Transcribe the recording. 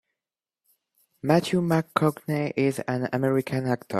Matthew McConaughey is an American actor.